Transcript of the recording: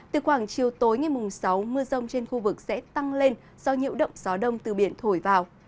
từ khoảng chiều tối ngày mùng sáu mưa rông trên khu vực sẽ tăng lên do nhiễu động gió đông từ biển thổi vào